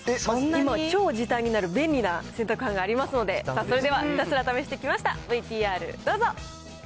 今、超時短になる便利な洗濯ハンガーありますので、さあ、それでは、ひたすら試してきました、ＶＴＲどうぞ。